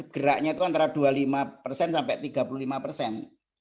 geraknya itu antara dua puluh lima persen sampai tiga puluh lima persen